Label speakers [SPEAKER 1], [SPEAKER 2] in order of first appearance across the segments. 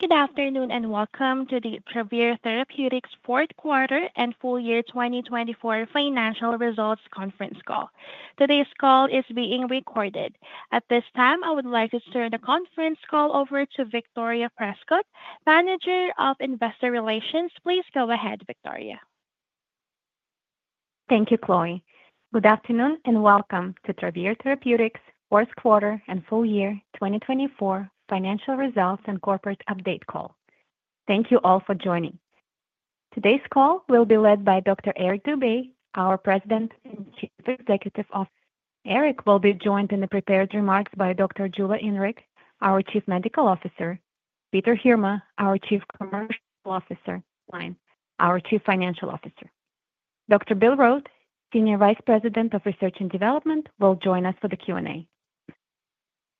[SPEAKER 1] Good afternoon and welcome to the Travere Therapeutics fourth quarter and full year 2024 financial results conference call. Today's call is being recorded. At this time, I would like to turn the conference call over to Victoria Prescott, Manager of Investor Relations. Please go ahead, Victoria.
[SPEAKER 2] Thank you, Chloe. Good afternoon and welcome to Travere Therapeutics' fourth quarter and full year 2024 financial results and corporate update call. Thank you all for joining. Today's call will be led by Dr. Eric Dube, our President and Chief Executive. Eric will be joined in the prepared remarks by Dr. Jula Inrig, our Chief Medical Officer, Peter Heerma, our Chief Commercial Officer, Cline, our Chief Financial Officer. Dr. Bill Rote, Senior Vice President of Research and Development, will join us for the Q&A.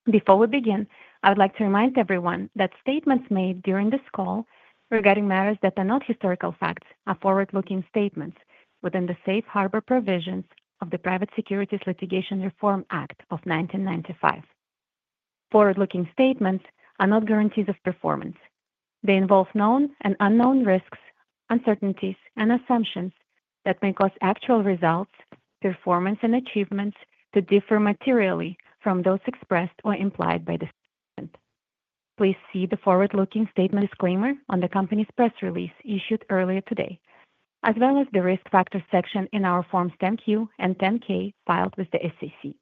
[SPEAKER 2] Before we begin, I would like to remind everyone that statements made during this call regarding matters that are not historical facts are forward-looking statements within the safe harbor provisions of the Private Securities Litigation Reform Act of 1995. Forward-looking statements are not guarantees of performance. They involve known and unknown risks, uncertainties, and assumptions that may cause actual results, performance, and achievements to differ materially from those expressed or implied by the statement. Please see the forward-looking statement disclaimer on the company's press release issued earlier today, as well as the risk factors section in our Forms 10-Q and 10-K filed with the SEC.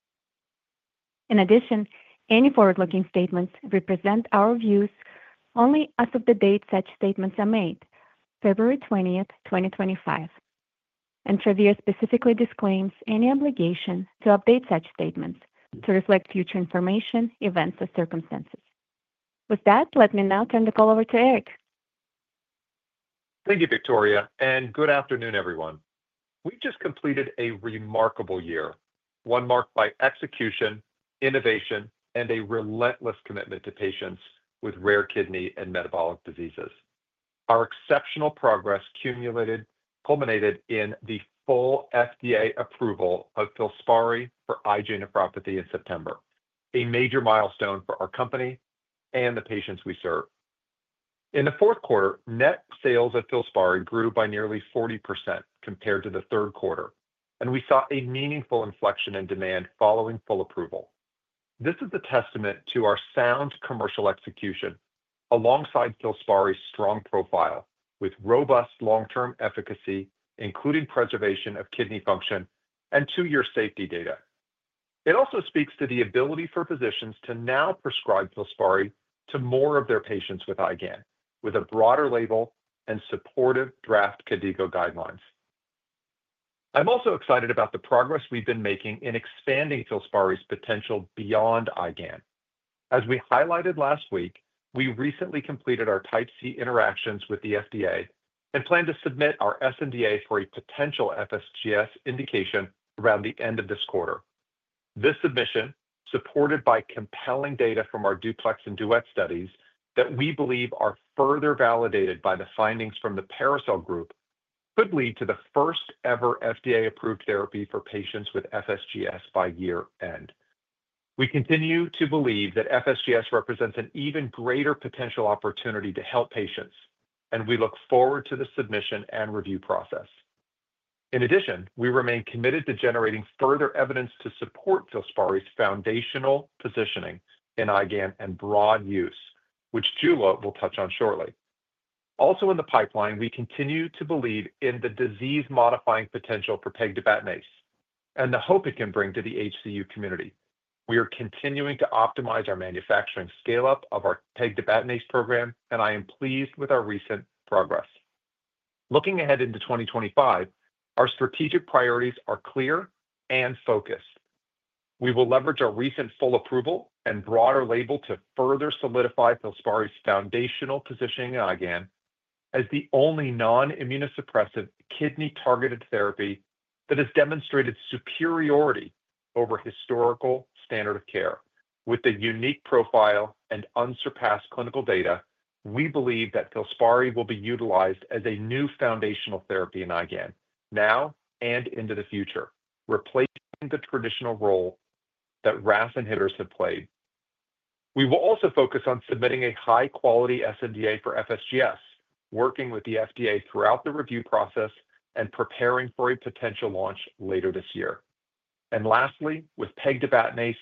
[SPEAKER 2] In addition, any forward-looking statements represent our views only as of the date such statements are made, February 20th, 2025. And Travere specifically disclaims any obligation to update such statements to reflect future information, events, or circumstances. With that, let me now turn the call over to Eric.
[SPEAKER 3] Thank you, Victoria, and good afternoon, everyone. We've just completed a remarkable year, one marked by execution, innovation, and a relentless commitment to patients with rare kidney and metabolic diseases. Our exceptional progress culminated in the full FDA approval of FILSPARI for IgA nephropathy in September, a major milestone for our company and the patients we serve. In the fourth quarter, net sales of FILSPARI grew by nearly 40% compared to the third quarter, and we saw a meaningful inflection in demand following full approval. This is a testament to our sound commercial execution alongside FILSPARI's strong profile with robust long-term efficacy, including preservation of kidney function and two-year safety data. It also speaks to the ability for physicians to now prescribe FILSPARI to more of their patients with IgAN, with a broader label and supportive draft KDIGO guidelines. I'm also excited about the progress we've been making in expanding FILSPARI's potential beyond IgAN. As we highlighted last week, we recently completed our Type C interactions with the FDA and plan to submit our sNDA for a potential FSGS indication around the end of this quarter. This submission, supported by compelling data from our DUPLEX and DUET studies that we believe are further validated by the findings from the PARASOL working group, could lead to the first-ever FDA-approved therapy for patients with FSGS by year-end. We continue to believe that FSGS represents an even greater potential opportunity to help patients, and we look forward to the submission and review process. In addition, we remain committed to generating further evidence to support FILSPARI's foundational positioning in IgAN and broad use, which Jula will touch on shortly. Also in the pipeline, we continue to believe in the disease-modifying potential for pegtibatinase and the hope it can bring to the HCU community. We are continuing to optimize our manufacturing scale-up of our pegtibatinase program, and I am pleased with our recent progress. Looking ahead into 2025, our strategic priorities are clear and focused. We will leverage our recent full approval and broader label to further solidify FILSPARI's foundational positioning in IgAN as the only non-immunosuppressive kidney-targeted therapy that has demonstrated superiority over historical standard of care. With the unique profile and unsurpassed clinical data, we believe that FILSPARI will be utilized as a new foundational therapy in IgAN now and into the future, replacing the traditional role that RAS inhibitors have played. We will also focus on submitting a high-quality sNDA for FSGS, working with the FDA throughout the review process and preparing for a potential launch later this year. And lastly, with pegtibatinase,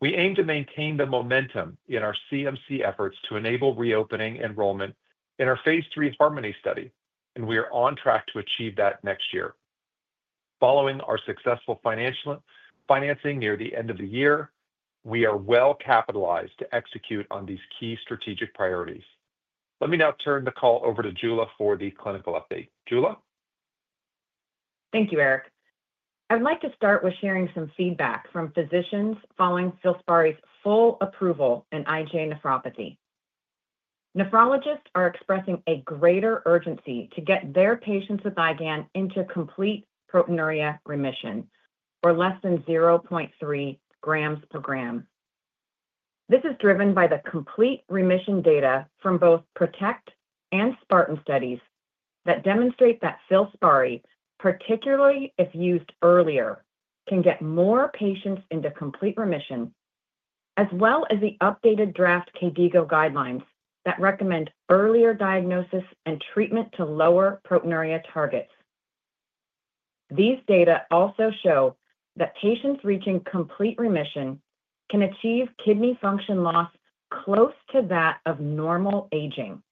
[SPEAKER 3] we aim to maintain the momentum in our CMC efforts to enable reopening enrollment in our phase III HARMONY study, and we are on track to achieve that next year. Following our successful financing near the end of the year, we are well-capitalized to execute on these key strategic priorities. Let me now turn the call over to Jula for the clinical update. Jula?
[SPEAKER 4] Thank you, Eric. I'd like to start with sharing some feedback from physicians following FILSPARI's full approval in IgA nephropathy. Nephrologists are expressing a greater urgency to get their patients with IgAN into complete proteinuria remission, or less than 0.3 g per g. This is driven by the complete remission data from both PROTECT and SPARTAN studies that demonstrate that FILSPARI, particularly if used earlier, can get more patients into complete remission, as well as the updated draft KDIGO guidelines that recommend earlier diagnosis and treatment to lower proteinuria targets. These data also show that patients reaching complete remission can achieve kidney function loss close to that of normal aging.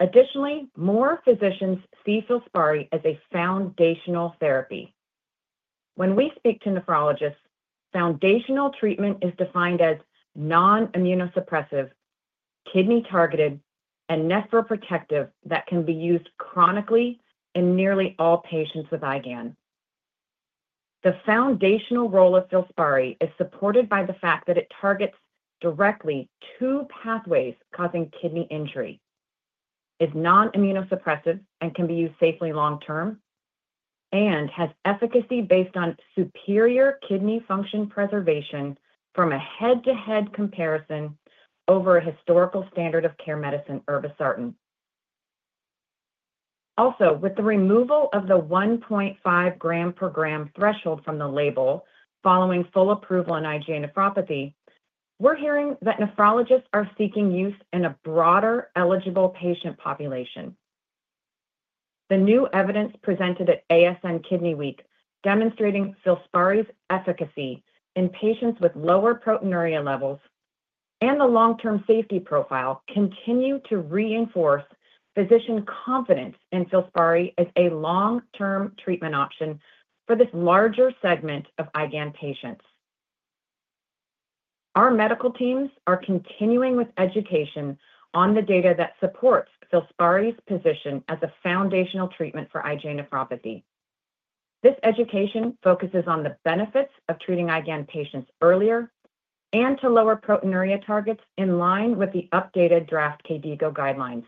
[SPEAKER 4] Additionally, more physicians see FILSPARI as a foundational therapy. When we speak to nephrologists, foundational treatment is defined as non-immunosuppressive, kidney-targeted, and nephroprotective that can be used chronically in nearly all patients with IgAN. The foundational role of FILSPARI is supported by the fact that it targets directly two pathways causing kidney injury, is non-immunosuppressive and can be used safely long-term, and has efficacy based on superior kidney function preservation from a head-to-head comparison over a historical standard of care medicine, irbesartan. Also, with the removal of the 1.5 g per g threshold from the label following full approval in IgA nephropathy, we're hearing that nephrologists are seeking use in a broader eligible patient population. The new evidence presented at ASN Kidney Week demonstrating FILSPARI's efficacy in patients with lower proteinuria levels and the long-term safety profile continue to reinforce physician confidence in FILSPARI as a long-term treatment option for this larger segment of IgAN patients. Our medical teams are continuing with education on the data that supports FILSPARI's position as a foundational treatment for IgA nephropathy. This education focuses on the benefits of treating IgAN patients earlier and to lower proteinuria targets in line with the updated draft KDIGO guidelines.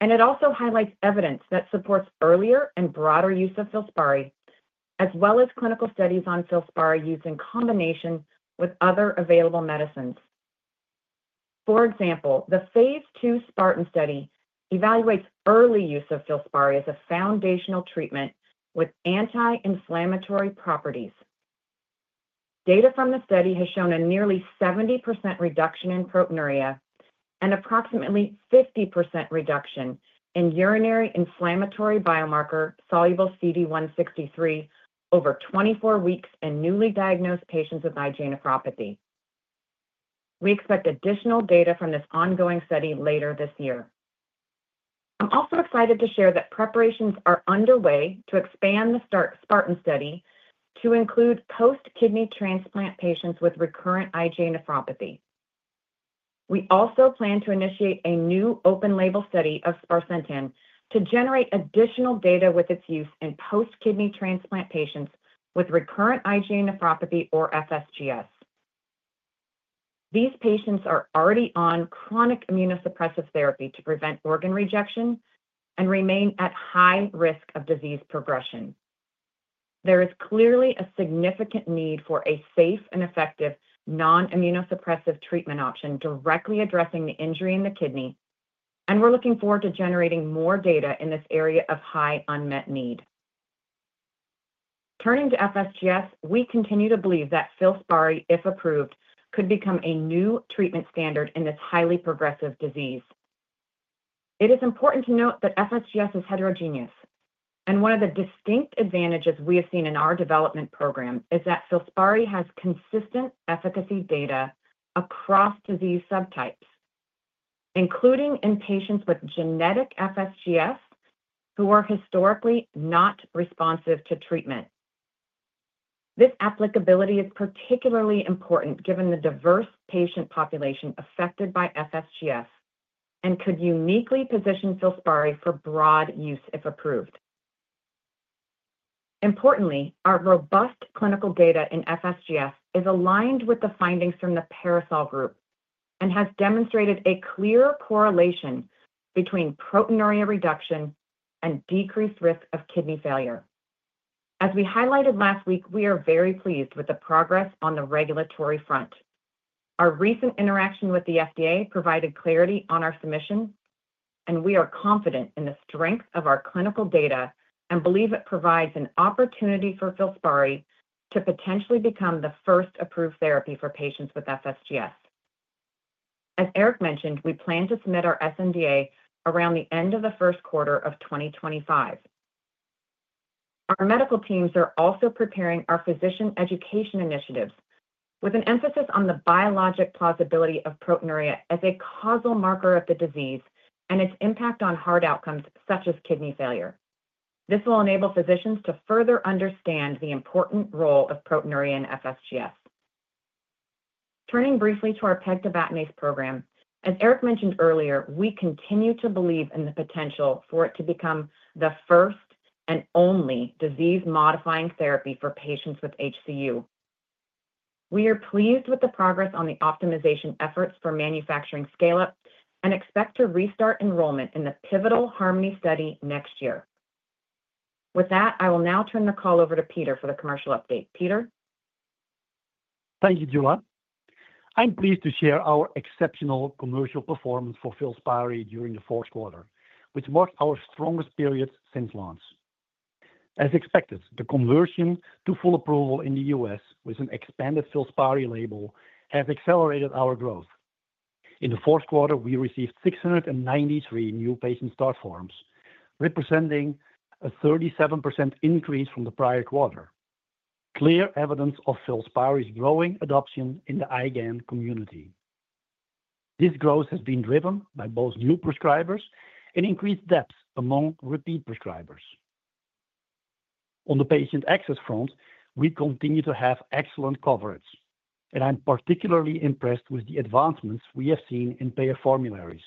[SPEAKER 4] It also highlights evidence that supports earlier and broader use of FILSPARI, as well as clinical studies on FILSPARI used in combination with other available medicines. For example, the phase II SPARTAN study evaluates early use of FILSPARI as a foundational treatment with anti-inflammatory properties. Data from the study has shown a nearly 70% reduction in proteinuria and approximately 50% reduction in urinary inflammatory biomarker soluble CD163 over 24 weeks in newly diagnosed patients with IgA nephropathy. We expect additional data from this ongoing study later this year. I'm also excited to share that preparations are underway to expand the SPARTAN study to include post-kidney transplant patients with recurrent IgA nephropathy. We also plan to initiate a new open-label study of sparsentan to generate additional data with its use in post-kidney transplant patients with recurrent IgA nephropathy or FSGS. These patients are already on chronic immunosuppressive therapy to prevent organ rejection and remain at high risk of disease progression. There is clearly a significant need for a safe and effective non-immunosuppressive treatment option directly addressing the injury in the kidney, and we're looking forward to generating more data in this area of high unmet need. Turning to FSGS, we continue to believe that FILSPARI, if approved, could become a new treatment standard in this highly progressive disease. It is important to note that FSGS is heterogeneous, and one of the distinct advantages we have seen in our development program is that FILSPARI has consistent efficacy data across disease subtypes, including in patients with genetic FSGS who are historically not responsive to treatment. This applicability is particularly important given the diverse patient population affected by FSGS and could uniquely position FILSPARI for broad use if approved. Importantly, our robust clinical data in FSGS is aligned with the findings from the PARASOL working group and has demonstrated a clear correlation between proteinuria reduction and decreased risk of kidney failure. As we highlighted last week, we are very pleased with the progress on the regulatory front. Our recent interaction with the FDA provided clarity on our submission, and we are confident in the strength of our clinical data and believe it provides an opportunity for FILSPARI to potentially become the first approved therapy for patients with FSGS. As Eric mentioned, we plan to submit our sNDA around the end of the first quarter of 2025. Our medical teams are also preparing our physician education initiatives with an emphasis on the biologic plausibility of proteinuria as a causal marker of the disease and its impact on hard outcomes such as kidney failure. This will enable physicians to further understand the important role of proteinuria in FSGS. Turning briefly to our pegtibatinase program, as Eric mentioned earlier, we continue to believe in the potential for it to become the first and only disease-modifying therapy for patients with HCU. We are pleased with the progress on the optimization efforts for manufacturing scale-up and expect to restart enrollment in the pivotal HARMONY study next year. With that, I will now turn the call over to Peter for the commercial update. Peter?
[SPEAKER 5] Thank you, Jula. I'm pleased to share our exceptional commercial performance for FILSPARI during the fourth quarter, which marked our strongest period since launch. As expected, the conversion to full approval in the U.S. with an expanded FILSPARI label has accelerated our growth. In the fourth quarter, we received 693 new patient start forms, representing a 37% increase from the prior quarter. Clear evidence of FILSPARI's growing adoption in the IgAN community. This growth has been driven by both new prescribers and increased depth among repeat prescribers. On the patient access front, we continue to have excellent coverage, and I'm particularly impressed with the advancements we have seen in payer formularies.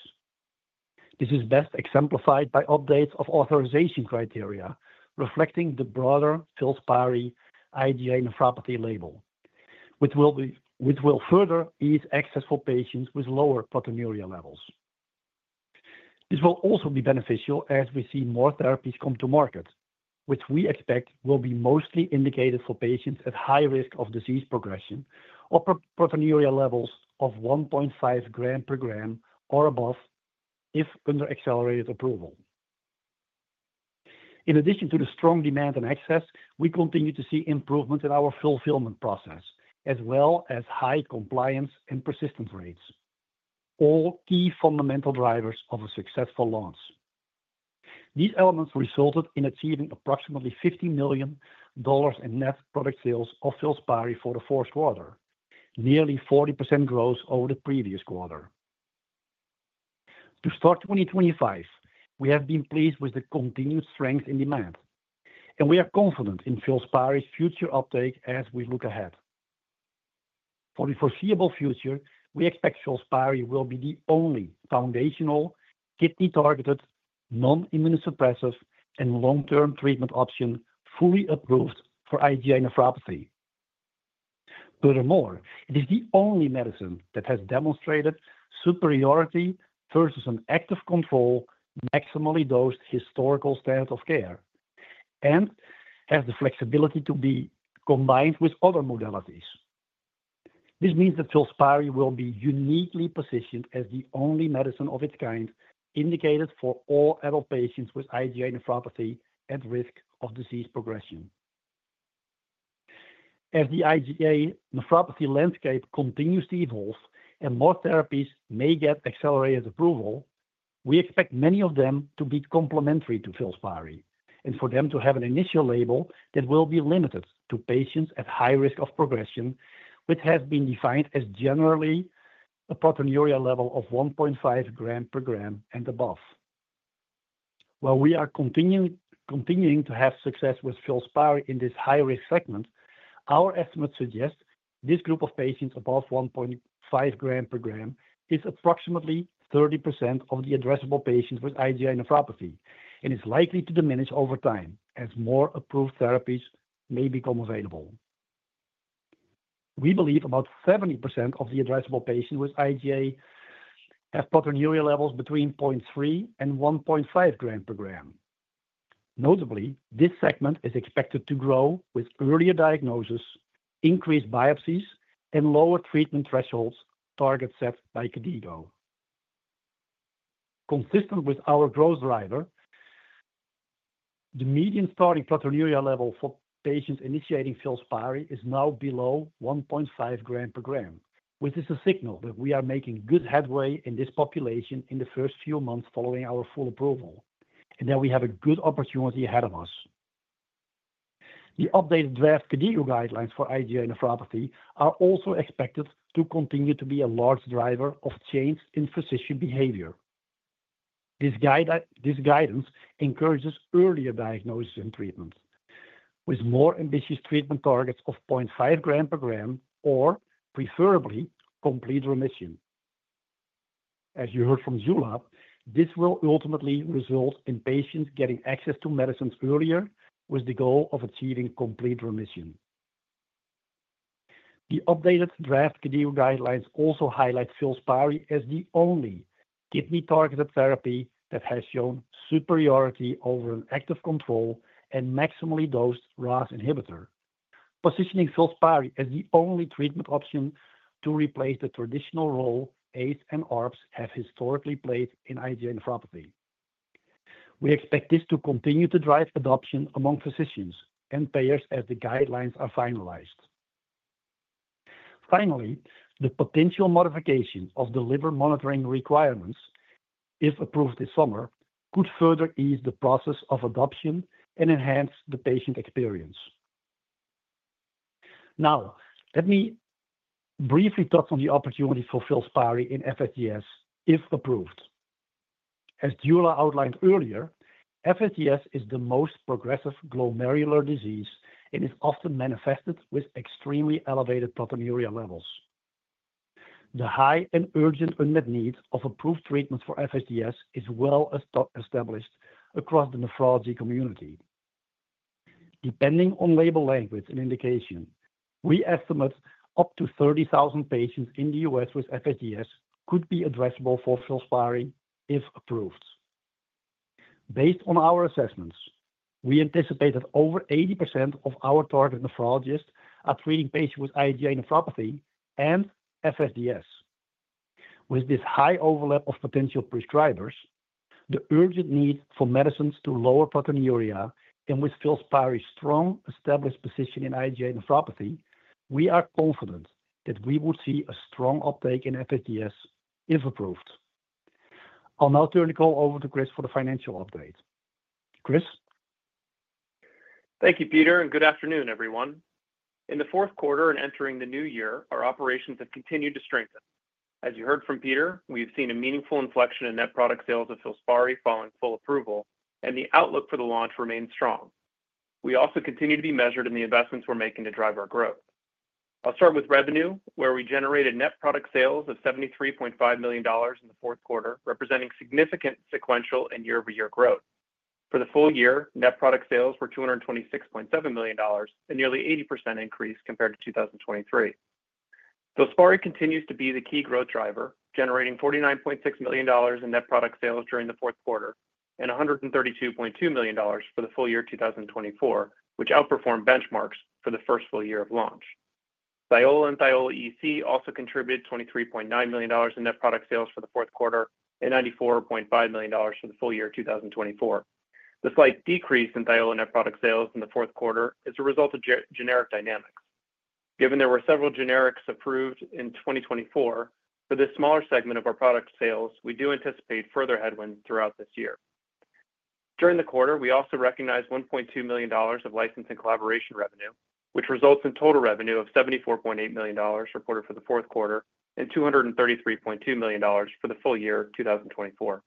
[SPEAKER 5] This is best exemplified by updates of authorization criteria reflecting the broader FILSPARI IgA nephropathy label, which will further ease access for patients with lower proteinuria levels. This will also be beneficial as we see more therapies come to market, which we expect will be mostly indicated for patients at high risk of disease progression or proteinuria levels of 1.5 g per g or above if under accelerated approval. In addition to the strong demand and access, we continue to see improvements in our fulfillment process, as well as high compliance and persistence rates, all key fundamental drivers of a successful launch. These elements resulted in achieving approximately $50 million in net product sales of FILSPARI for the fourth quarter, nearly 40% growth over the previous quarter. To start 2025, we have been pleased with the continued strength in demand, and we are confident in FILSPARI's future uptake as we look ahead. For the foreseeable future, we expect FILSPARI will be the only foundational kidney-targeted, non-immunosuppressive, and long-term treatment option fully approved for IgA nephropathy. Furthermore, it is the only medicine that has demonstrated superiority versus an active control, maximally dosed historical standard of care, and has the flexibility to be combined with other modalities. This means that FILSPARI will be uniquely positioned as the only medicine of its kind indicated for all adult patients with IgA nephropathy at risk of disease progression. As the IgA nephropathy landscape continues to evolve and more therapies may get accelerated approval, we expect many of them to be complementary to FILSPARI and for them to have an initial label that will be limited to patients at high risk of progression, which has been defined as generally a proteinuria level of 1.5 g per g and above. While we are continuing to have success with FILSPARI in this high-risk segment, our estimates suggest this group of patients above 1.5 g per g is approximately 30% of the addressable patients with IgA nephropathy and is likely to diminish over time as more approved therapies may become available. We believe about 70% of the addressable patients with IgA have proteinuria levels between 0.3 and 1.5 g per g. Notably, this segment is expected to grow with earlier diagnosis, increased biopsies, and lower treatment thresholds target set by KDIGO. Consistent with our growth driver, the median starting proteinuria level for patients initiating FILSPARI is now below 1.5 g per g, which is a signal that we are making good headway in this population in the first few months following our full approval, and that we have a good opportunity ahead of us. The updated draft KDIGO guidelines for IgA nephropathy are also expected to continue to be a large driver of change in physician behavior. This guidance encourages earlier diagnosis and treatment, with more ambitious treatment targets of 0.5 g per g or, preferably, complete remission. As you heard from Jula, this will ultimately result in patients getting access to medicines earlier with the goal of achieving complete remission. The updated draft KDIGO guidelines also highlight FILSPARI as the only kidney-targeted therapy that has shown superiority over an active control and maximally dosed RAS inhibitor, positioning FILSPARI as the only treatment option to replace the traditional role ACE and ARBs have historically played in IgA nephropathy. We expect this to continue to drive adoption among physicians and payers as the guidelines are finalized. Finally, the potential modification of the liver monitoring requirements, if approved this summer, could further ease the process of adoption and enhance the patient experience. Now, let me briefly touch on the opportunities for FILSPARI in FSGS, if approved. As Jula outlined earlier, FSGS is the most progressive glomerular disease and is often manifested with extremely elevated proteinuria levels. The high and urgent unmet need of approved treatments for FSGS is well established across the nephrology community. Depending on label language and indication, we estimate up to 30,000 patients in the U.S. with FSGS could be addressable for FILSPARI if approved. Based on our assessments, we anticipate that over 80% of our target nephrologists are treating patients with IgA nephropathy and FSGS. With this high overlap of potential prescribers, the urgent need for medicines to lower proteinuria, and with FILSPARI's strong established position in IgA nephropathy, we are confident that we would see a strong uptake in FSGS if approved. I'll now turn the call over to Chris for the financial update. Chris?
[SPEAKER 6] Thank you, Peter, and good afternoon, everyone. In the fourth quarter and entering the new year, our operations have continued to strengthen. As you heard from Peter, we've seen a meaningful inflection in net product sales of FILSPARI following full approval, and the outlook for the launch remains strong. We also continue to be measured in the investments we're making to drive our growth. I'll start with revenue, where we generated net product sales of $73.5 million in the fourth quarter, representing significant sequential and year-over-year growth. For the full year, net product sales were $226.7 million, a nearly 80% increase compared to 2023. FILSPARI continues to be the key growth driver, generating $49.6 million in net product sales during the fourth quarter and $132.2 million for the full year 2024, which outperformed benchmarks for the first full year of launch. Thiola and Thiola EC also contributed $23.9 million in net product sales for the fourth quarter and $94.5 million for the full year 2024. The slight decrease in Thiola net product sales in the fourth quarter is a result of generic dynamics. Given there were several generics approved in 2024, for this smaller segment of our product sales, we do anticipate further headwinds throughout this year. During the quarter, we also recognized $1.2 million of license and collaboration revenue, which results in total revenue of $74.8 million reported for the fourth quarter and $233.2 million for the full year 2024.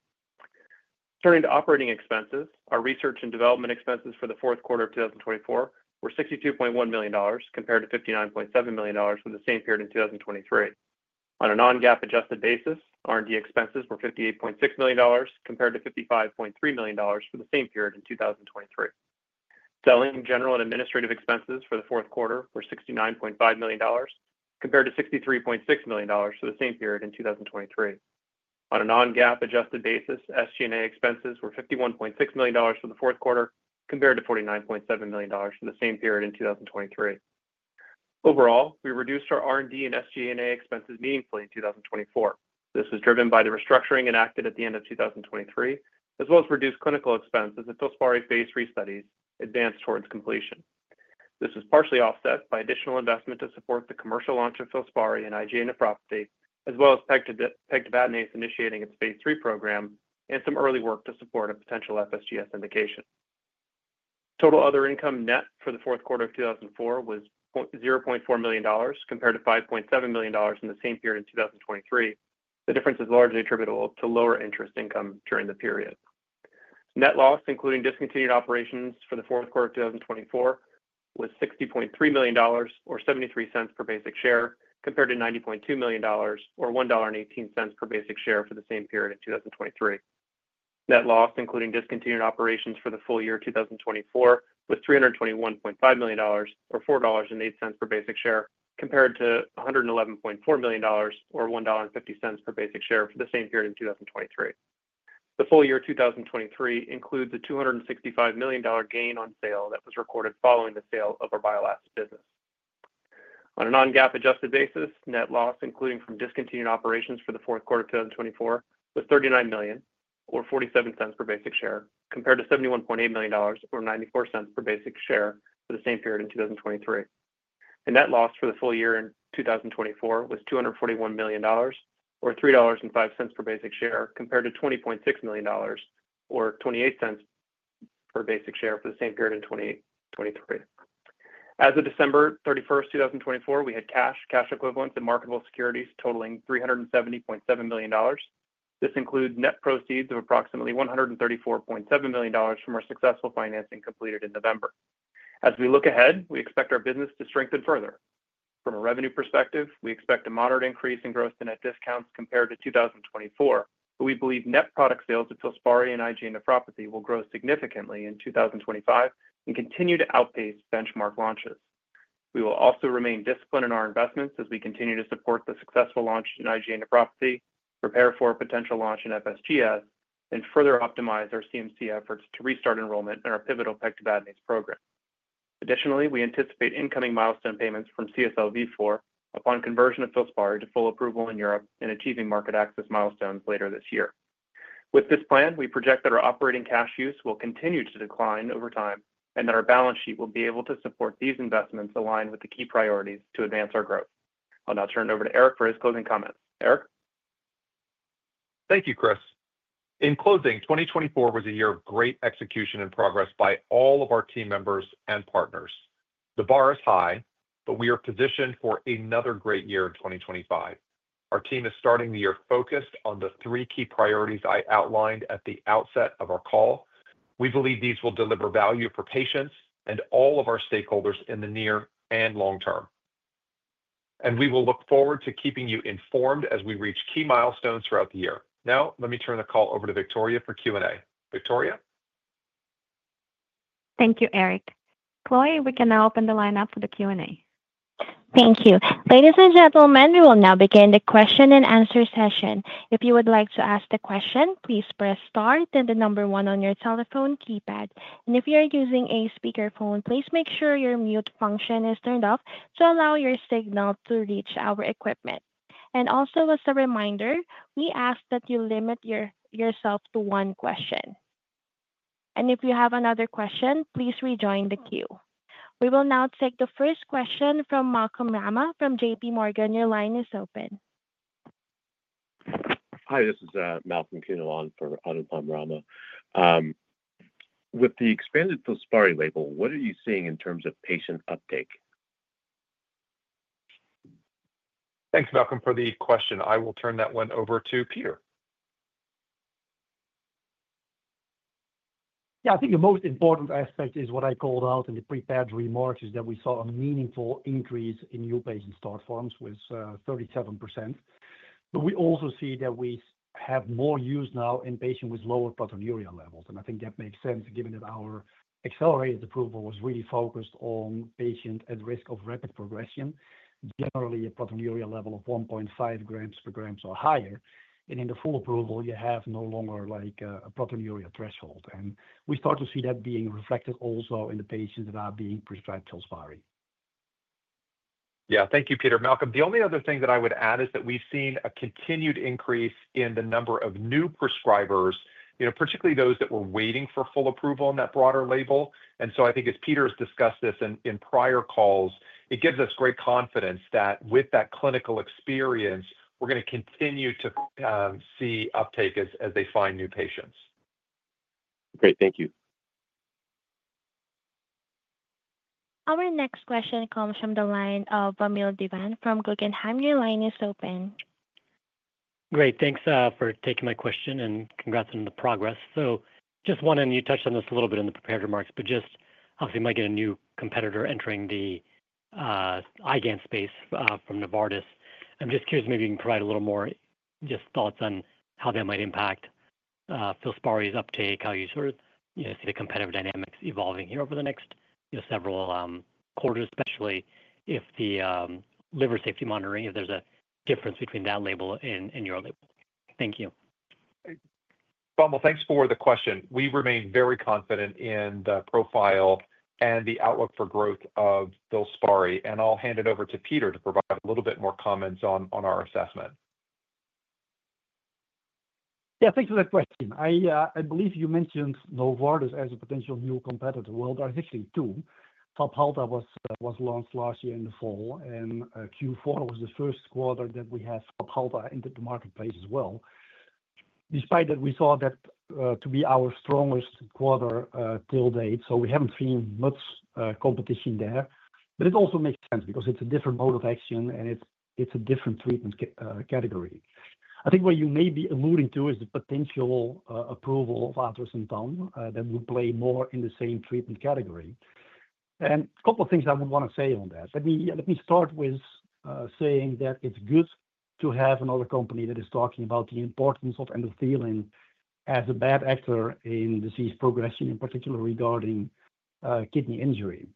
[SPEAKER 6] Turning to operating expenses, our research and development expenses for the fourth quarter of 2024 were $62.1 million compared to $59.7 million for the same period in 2023. On a non-GAAP adjusted basis, R&D expenses were $58.6 million compared to $55.3 million for the same period in 2023. Selling general and administrative expenses for the fourth quarter were $69.5 million compared to $63.6 million for the same period in 2023. On a non-GAAP adjusted basis, SG&A expenses were $51.6 million for the fourth quarter compared to $49.7 million for the same period in 2023. Overall, we reduced our R&D and SG&A expenses meaningfully in 2024. This was driven by the restructuring enacted at the end of 2023, as well as reduced clinical expenses that FILSPARI phase III studies advanced towards completion. This was partially offset by additional investment to support the commercial launch of FILSPARI in IgA nephropathy, as well as pegtibatinase initiating its phase III program and some early work to support a potential FSGS indication. Total other income net for the fourth quarter of 2024 was $0.4 million compared to $5.7 million in the same period in 2023. The difference is largely attributable to lower interest income during the period. Net loss including discontinued operations for the fourth quarter of 2024 was $60.3 million or $0.73 per basic share compared to $90.2 million or $1.18 per basic share for the same period in 2023. Net loss including discontinued operations for the full year 2024 was $321.5 million or $4.08 per basic share compared to $111.4 million or $1.50 per basic share for the same period in 2023. The full year 2023 includes a $265 million gain on sale that was recorded following the sale of our bile acid business. On a non-GAAP adjusted basis, net loss including from discontinued operations for the fourth quarter of 2024 was $39.0 million or $0.47 per basic share compared to $71.8 million or $0.94 per basic share for the same period in 2023. The net loss for the full year in 2024 was $241 million or $3.05 per basic share compared to $20.6 million or $0.28 per basic share for the same period in 2023. As of December 31st, 2024, we had cash, cash equivalents, and marketable securities totaling $370.7 million. This includes net proceeds of approximately $134.7 million from our successful financing completed in November. As we look ahead, we expect our business to strengthen further. From a revenue perspective, we expect a moderate increase in gross to net discounts compared to 2024, but we believe net product sales of FILSPARI in IgA nephropathy will grow significantly in 2025 and continue to outpace benchmark launches. We will also remain disciplined in our investments as we continue to support the successful launch in IgA nephropathy, prepare for a potential launch in FSGS, and further optimize our CMC efforts to restart enrollment in our pivotal pegtibatinase program. Additionally, we anticipate incoming milestone payments from CSL Vifor upon conversion of FILSPARI to full approval in Europe and achieving market access milestones later this year. With this plan, we project that our operating cash use will continue to decline over time and that our balance sheet will be able to support these investments aligned with the key priorities to advance our growth. I'll now turn it over to Eric for his closing comments. Eric?
[SPEAKER 3] Thank you, Chris. In closing, 2024 was a year of great execution and progress by all of our team members and partners. The bar is high, but we are positioned for another great year in 2025. Our team is starting the year focused on the three key priorities I outlined at the outset of our call. We believe these will deliver value for patients and all of our stakeholders in the near and long term, and we will look forward to keeping you informed as we reach key milestones throughout the year. Now, let me turn the call over to Victoria for Q&A. Victoria?
[SPEAKER 2] Thank you, Eric. Chloe, we can now open the line up for the Q&A.
[SPEAKER 1] Thank you. Ladies and gentlemen, we will now begin the question and answer session. If you would like to ask a question, please press star, then the number one on your telephone keypad. And if you are using a speakerphone, please make sure your mute function is turned off to allow your signal to reach our equipment. And also, as a reminder, we ask that you limit yourself to one question. And if you have another question, please rejoin the queue. We will now take the first question from Anupam Rama from JPMorgan. Your line is open.
[SPEAKER 7] Hi, this is Malcolm Kuno for Anupam Rama. With the expanded FILSPARI label, what are you seeing in terms of patient uptake?
[SPEAKER 3] Thanks, Malcolm, for the question. I will turn that one over to Peter.
[SPEAKER 5] Yeah, I think the most important aspect is what I called out in the prepared remarks is that we saw a meaningful increase in new patient start forms with 37%. But we also see that we have more use now in patients with lower proteinuria levels. And I think that makes sense given that our accelerated approval was really focused on patients at risk of rapid progression, generally a proteinuria level of 1.5 g per g or higher. And in the full approval, you have no longer like a proteinuria threshold. And we start to see that being reflected also in the patients that are being prescribed FILSPARI.
[SPEAKER 3] Yeah, thank you, Peter. Malcolm, the only other thing that I would add is that we've seen a continued increase in the number of new prescribers, particularly those that were waiting for full approval on that broader label. And so I think, as Peter has discussed this in prior calls, it gives us great confidence that with that clinical experience, we're going to continue to see uptake as they find new patients.
[SPEAKER 7] Great, thank you.
[SPEAKER 1] Our next question comes from the line of Vamil Divan from Guggenheim. Your line is open.
[SPEAKER 8] Great, thanks for taking my question and congrats on the progress. So just wanted, and you touched on this a little bit in the prepared remarks, but just obviously might get a new competitor entering the IgAN space from Novartis. I'm just curious if maybe you can provide a little more just thoughts on how that might impact FILSPARI's uptake, how you sort of see the competitive dynamics evolving here over the next several quarters, especially if the liver safety monitoring, if there's a difference between that label and your label. Thank you.
[SPEAKER 3] Vamil, thanks for the question. We remain very confident in the profile and the outlook for growth of FILSPARI. I'll hand it over to Peter to provide a little bit more comments on our assessment.
[SPEAKER 5] Yeah, thanks for the question. I believe you mentioned Novartis as a potential new competitor, well, there are actually two. FABHALTA was launched last year in the fall, and Q4 was the first quarter that we had FABHALTA into the marketplace as well. Despite that, we saw that to be our strongest quarter to date, so we haven't seen much competition there. But it also makes sense because it's a different mode of action and it's a different treatment category. I think what you may be alluding to is the potential approval of atrasentan that would play more in the same treatment category, and a couple of things I would want to say on that. Let me start with saying that it's good to have another company that is talking about the importance of endothelin as a bad actor in disease progression, in particular regarding kidney injury.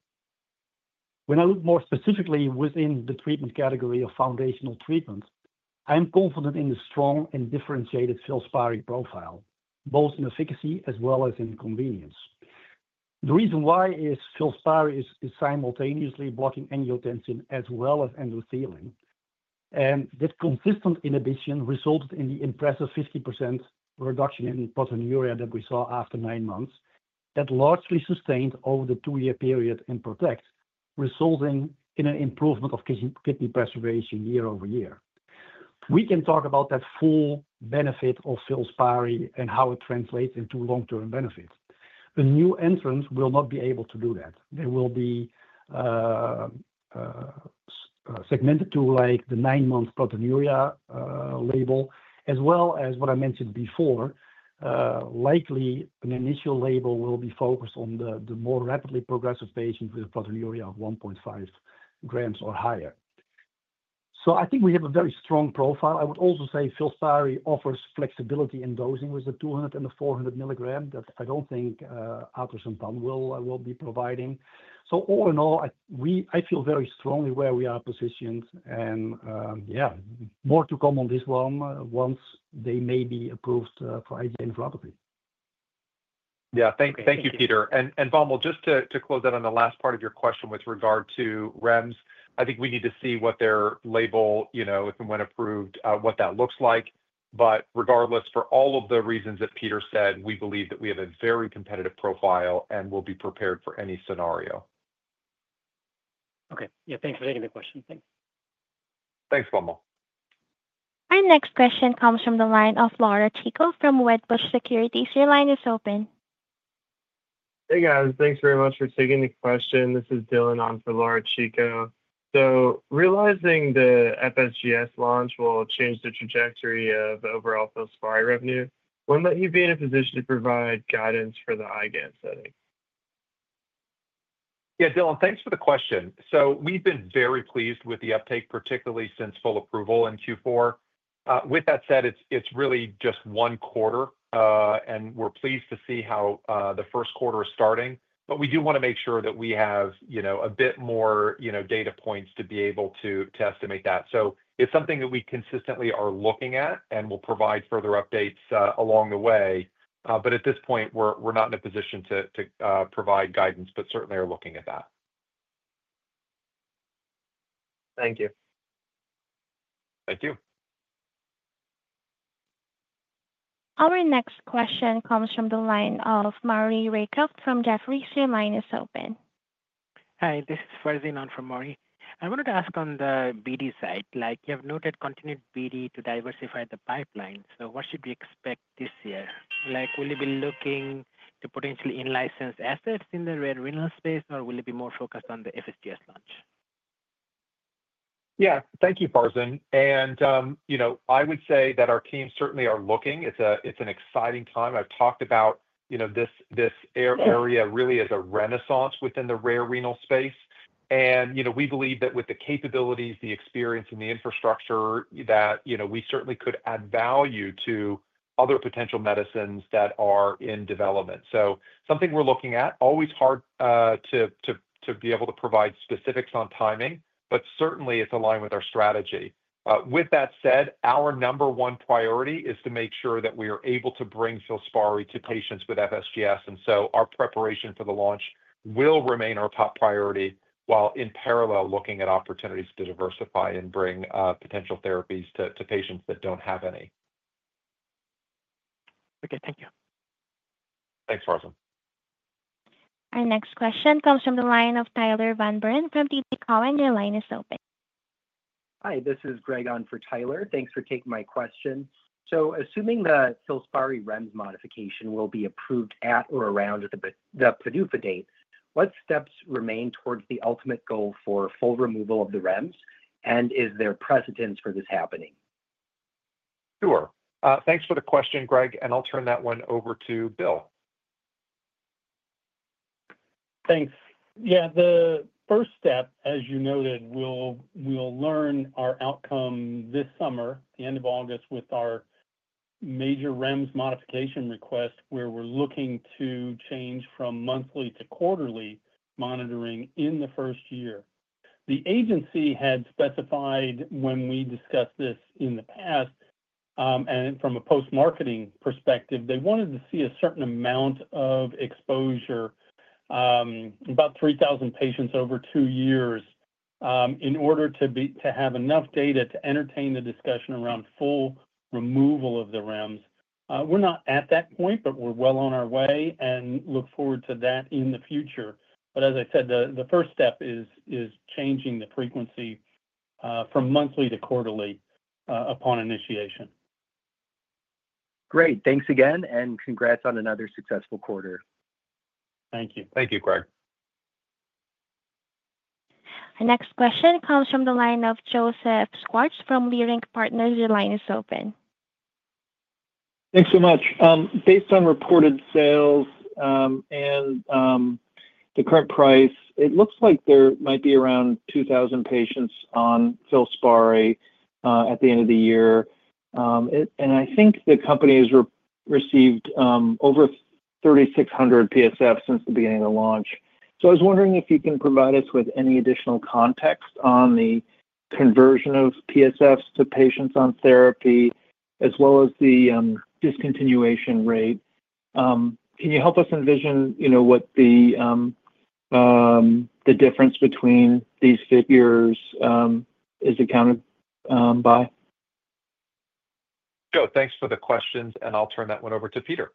[SPEAKER 5] When I look more specifically within the treatment category of foundational treatment, I'm confident in the strong and differentiated FILSPARI profile, both in efficacy as well as in convenience. The reason why is FILSPARI is simultaneously blocking angiotensin as well as endothelin, and that consistent inhibition resulted in the impressive 50% reduction in proteinuria that we saw after nine months that largely sustained over the two-year period in PROTECT, resulting in an improvement of kidney preservation year-over-year. We can talk about that full benefit of FILSPARI and how it translates into long-term benefits. A new entrant will not be able to do that. They will be segmented to like the nine months proteinuria label, as well as what I mentioned before, likely an initial label will be focused on the more rapidly progressive patients with a proteinuria of 1.5 g or higher. I think we have a very strong profile. I would also say FILSPARI offers flexibility in dosing with the 200 mg and the 400 mg that I don't think atrasentan will be providing. All in all, I feel very strongly where we are positioned. Yeah, more to come on this one once they may be approved for IgA nephropathy.
[SPEAKER 3] Yeah, thank you, Peter. And Vamil, just to close out on the last part of your question with regard to REMS, I think we need to see what their label, if and when approved, what that looks like. But regardless, for all of the reasons that Peter said, we believe that we have a very competitive profile and will be prepared for any scenario.
[SPEAKER 8] Okay, yeah, thanks for taking the question. Thanks.
[SPEAKER 3] Thanks, Vamil.
[SPEAKER 1] Our next question comes from the line of Laura Chico from Wedbush Securities. Your line is open.
[SPEAKER 9] Hey, guys. Thanks very much for taking the question. This is Dylan on for Laura Chico. So realizing the FSGS launch will change the trajectory of overall FILSPARI revenue, when might you be in a position to provide guidance for the IgAN setting?
[SPEAKER 3] Yeah, Dylan, thanks for the question. So we've been very pleased with the uptake, particularly since full approval in Q4. With that said, it's really just one quarter, and we're pleased to see how the first quarter is starting. But we do want to make sure that we have a bit more data points to be able to test and make that. So it's something that we consistently are looking at and will provide further updates along the way. But at this point, we're not in a position to provide guidance, but certainly are looking at that.
[SPEAKER 9] Thank you.
[SPEAKER 3] Thank you.
[SPEAKER 1] Our next question comes from the line of Maury Raycroft from Jefferies. Your line is open.
[SPEAKER 10] Hi, this is Farzin on for Maury. I wanted to ask on the BD side. You have noted continued BD to diversify the pipeline. So what should we expect this year? Will you be looking to potentially in-license assets in the rare renal space, or will you be more focused on the FSGS launch?
[SPEAKER 3] Yeah, thank you, Farzin, and I would say that our teams certainly are looking. It's an exciting time. I've talked about this area really as a renaissance within the rare renal space, and we believe that with the capabilities, the experience, and the infrastructure, that we certainly could add value to other potential medicines that are in development, so something we're looking at. Always hard to be able to provide specifics on timing, but certainly it's aligned with our strategy. With that said, our number one priority is to make sure that we are able to bring FILSPARI to patients with FSGS, and so our preparation for the launch will remain our top priority while in parallel looking at opportunities to diversify and bring potential therapies to patients that don't have any.
[SPEAKER 10] Okay, thank you.
[SPEAKER 3] Thanks, Farzin.
[SPEAKER 1] Our next question comes from the line of Tyler Van Buren from TD Cowen. Your line is open.
[SPEAKER 11] Hi, this is Greg on for Tyler. Thanks for taking my questions. So assuming that FILSPARI REMS modification will be approved at or around the PDUFA date, what steps remain towards the ultimate goal for full removal of the REMS? And is there precedents for this happening?
[SPEAKER 3] Sure. Thanks for the question, Greg, and I'll turn that one over to Bill.
[SPEAKER 12] Thanks. Yeah, the first step, as you noted, we'll learn our outcome this summer, the end of August, with our major REMS modification request where we're looking to change from monthly to quarterly monitoring in the first year. The agency had specified when we discussed this in the past, and from a post-marketing perspective, they wanted to see a certain amount of exposure, about 3,000 patients over two years, in order to have enough data to entertain the discussion around full removal of the REMS. We're not at that point, but we're well on our way and look forward to that in the future. But as I said, the first step is changing the frequency from monthly to quarterly upon initiation.
[SPEAKER 11] Great. Thanks again, and congrats on another successful quarter.
[SPEAKER 12] Thank you.
[SPEAKER 3] Thank you, Greg.
[SPEAKER 1] Our next question comes from the line of Joseph Schwartz from Leerink Partners. Your line is open.
[SPEAKER 13] Thanks so much. Based on reported sales and the current price, it looks like there might be around 2,000 patients on FILSPARI at the end of the year, and I think the company has received over 3,600 PSFs since the beginning of the launch, so I was wondering if you can provide us with any additional context on the conversion of PSFs to patients on therapy, as well as the discontinuation rate. Can you help us envision what the difference between these figures is accounted by?
[SPEAKER 3] Sure. Thanks for the questions, and I'll turn that one over to Peter.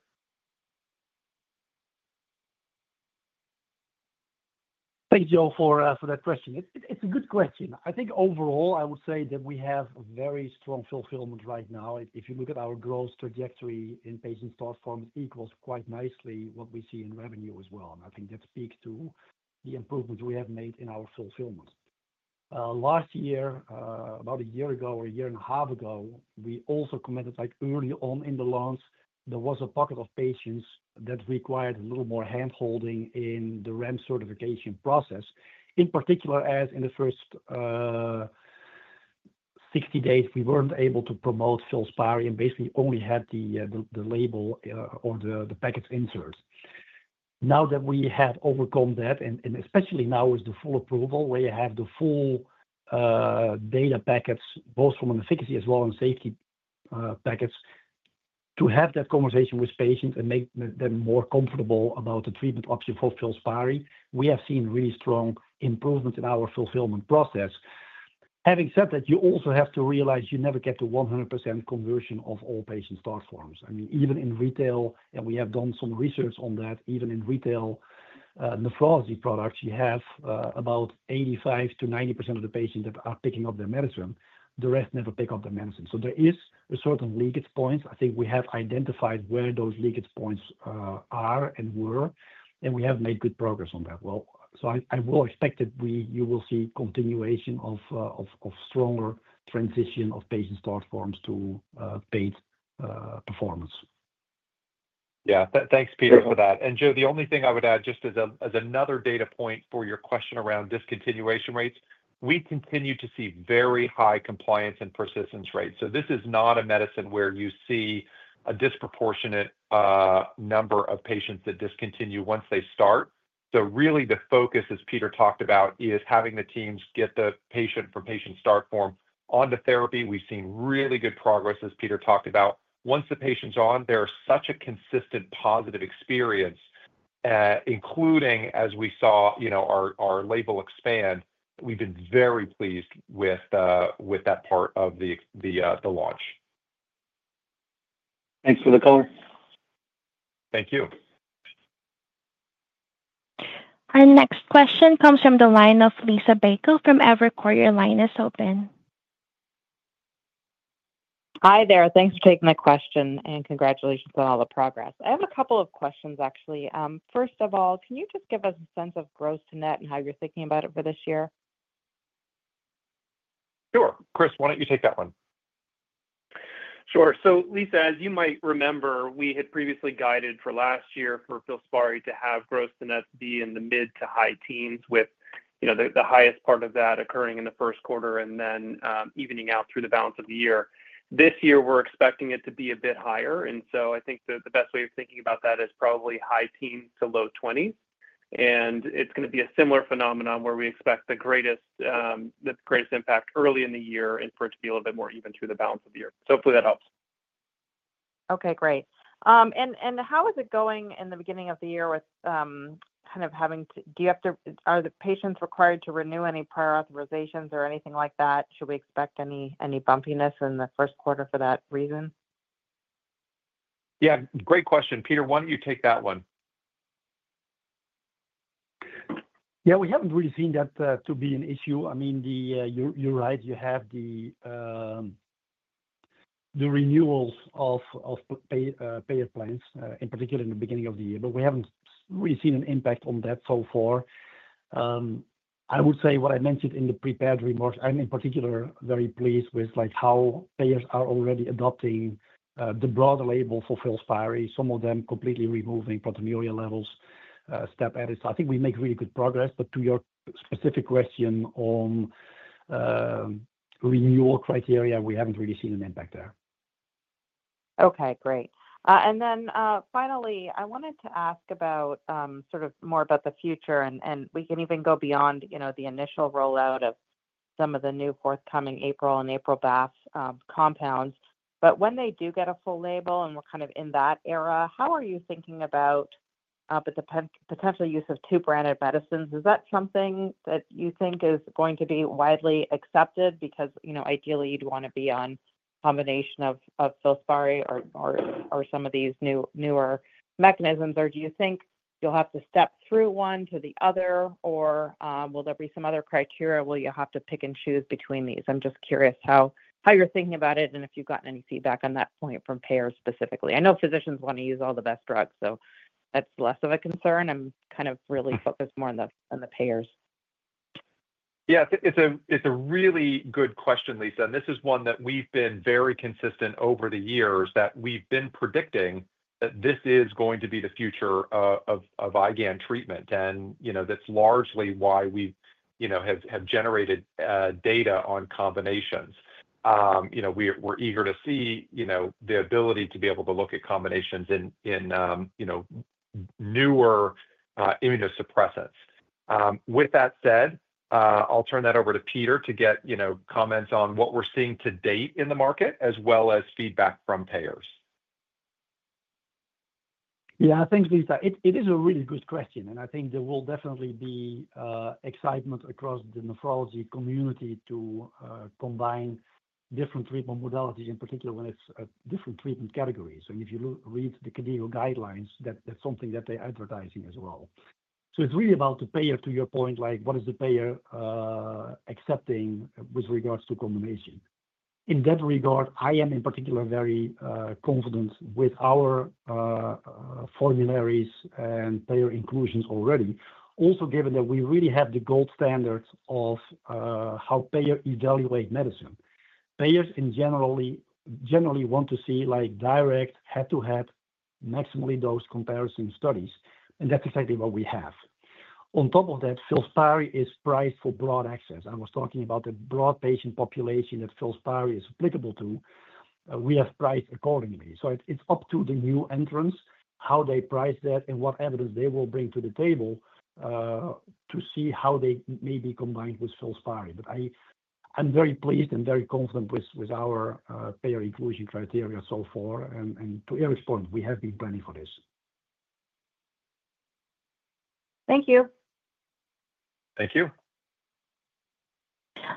[SPEAKER 5] Thank you all for that question. It's a good question. I think overall, I would say that we have a very strong fulfillment right now. If you look at our growth trajectory in patient start forms, it equals quite nicely what we see in revenue as well. And I think that speaks to the improvements we have made in our fulfillment. Last year, about a year ago or a year and a half ago, we also committed early on in the launch, there was a pocket of patients that required a little more hand-holding in the REMS certification process. In particular, as in the first 60 days, we weren't able to promote FILSPARI and basically only had the label on the package inserts. Now that we have overcome that, and especially now with the full approval where you have the full data packets, both from an efficacy as well as safety packets, to have that conversation with patients and make them more comfortable about the treatment option for FILSPARI, we have seen really strong improvements in our fulfillment process. Having said that, you also have to realize you never get to 100% conversion of all patient start forms. I mean, even in retail, and we have done some research on that, even in retail nephrology products, you have about 85%-90% of the patients that are picking up their medicine. The rest never pick up their medicine. So there are certain leakage points. I think we have identified where those leakage points are and were, and we have made good progress on that. I will expect that you will see continuation of stronger transition of patient start forms to paid performance.
[SPEAKER 3] Yeah, thanks, Peter, for that. And Joe, the only thing I would add just as another data point for your question around discontinuation rates, we continue to see very high compliance and persistence rates. So this is not a medicine where you see a disproportionate number of patients that discontinue once they start. So really the focus, as Peter talked about, is having the teams get the patient from patient start form onto therapy. We've seen really good progress, as Peter talked about. Once the patient's on, there is such a consistent positive experience, including as we saw our label expand. We've been very pleased with that part of the launch.
[SPEAKER 13] Thanks for the call.
[SPEAKER 3] Thank you.
[SPEAKER 1] Our next question comes from the line of Liisa Bayko from Evercore ISI. Your line is open.
[SPEAKER 14] Hi there. Thanks for taking the question, and congratulations on all the progress. I have a couple of questions, actually. First of all, can you just give us a sense of gross to net and how you're thinking about it for this year?
[SPEAKER 3] Sure. Chris, why don't you take that one?
[SPEAKER 6] Sure. So Liisa, as you might remember, we had previously guided for last year for FILSPARI to have gross to net be in the mid- to high-teens, with the highest part of that occurring in the first quarter and then evening out through the balance of the year. This year, we're expecting it to be a bit higher. And so I think the best way of thinking about that is probably high teens to low 20s. And it's going to be a similar phenomenon where we expect the greatest impact early in the year and for it to be a little bit more even through the balance of the year. So hopefully that helps.
[SPEAKER 14] Okay, great. And how is it going in the beginning of the year with kind of having to, do you have to, are the patients required to renew any prior authorizations or anything like that? Should we expect any bumpiness in the first quarter for that reason?
[SPEAKER 3] Yeah, great question. Peter, why don't you take that one?
[SPEAKER 5] Yeah, we haven't really seen that to be an issue. I mean, you're right. You have the renewals of payer plans, in particular in the beginning of the year, but we haven't really seen an impact on that so far. I would say what I mentioned in the prepared remarks, I'm in particular very pleased with how payers are already adopting the broader label for FILSPARI, some of them completely removing proteinuria levels, step edits. So I think we make really good progress. But to your specific question on renewal criteria, we haven't really seen an impact there.
[SPEAKER 14] Okay, great, and then finally, I wanted to ask about sort of more about the future, and we can even go beyond the initial rollout of some of the new forthcoming FILSPARI and FABHALTA compounds, but when they do get a full label and we're kind of in that era, how are you thinking about the potential use of two branded medicines? Is that something that you think is going to be widely accepted? Because ideally, you'd want to be on a combination of FILSPARI or some of these newer mechanisms. Or do you think you'll have to step through one to the other, or will there be some other criteria where you have to pick and choose between these? I'm just curious how you're thinking about it and if you've gotten any feedback on that point from payers specifically. I know physicians want to use all the best drugs, so that's less of a concern. I'm kind of really focused more on the payers.
[SPEAKER 3] Yeah, it's a really good question, Liisa. And this is one that we've been very consistent over the years that we've been predicting that this is going to be the future of IgAN treatment. And that's largely why we have generated data on combinations. We're eager to see the ability to be able to look at combinations in newer immunosuppressants. With that said, I'll turn that over to Peter to get comments on what we're seeing to date in the market, as well as feedback from payers.
[SPEAKER 5] Yeah, thanks, Liisa. It is a really good question. And I think there will definitely be excitement across the nephrology community to combine different treatment modalities, in particular when it's different treatment categories. And if you read the clinical guidelines, that's something that they're advertising as well. So it's really about the payer, to your point. What is the payer accepting with regards to combination? In that regard, I am in particular very confident with our formularies and payer inclusions already, also given that we really have the gold standards of how payers evaluate medicine. Payers generally want to see direct, head-to-head, maximally dosed comparison studies. And that's exactly what we have. On top of that, FILSPARI is priced for broad access. I was talking about the broad patient population that FILSPARI is applicable to. We have priced accordingly. So it's up to the new entrants how they price that and what evidence they will bring to the table to see how they may be combined with FILSPARI. But I'm very pleased and very confident with our payer inclusion criteria so far. And to Eric's point, we have been planning for this.
[SPEAKER 14] Thank you.
[SPEAKER 3] Thank you.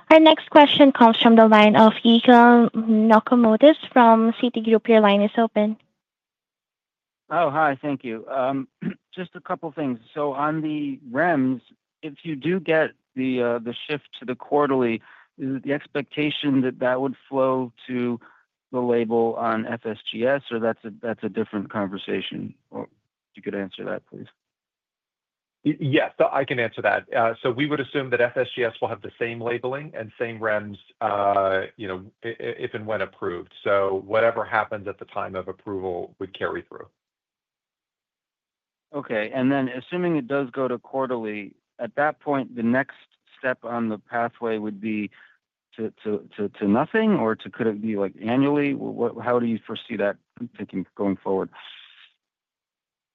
[SPEAKER 1] Our next question comes from the line of Yigal Nochomovitz from Citigroup. Your line is open.
[SPEAKER 15] Oh, hi. Thank you. Just a couple of things. So on the REMS, if you do get the shift to the quarterly, is it the expectation that that would flow to the label on FSGS, or that's a different conversation? Or if you could answer that, please.
[SPEAKER 3] Yes, I can answer that. So we would assume that FSGS will have the same labeling and same REMS if and when approved. So whatever happens at the time of approval would carry through.
[SPEAKER 15] Okay, and then assuming it does go to quarterly, at that point, the next step on the pathway would be to nothing, or could it be annually? How do you foresee that going forward?